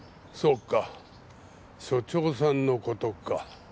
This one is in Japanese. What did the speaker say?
そうか署長さんのことか。